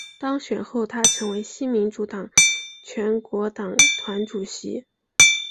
当选后她成为新民主党全国党团主席。